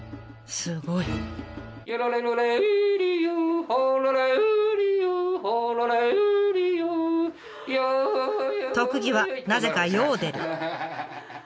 すごい！特技はなぜかヨーデル。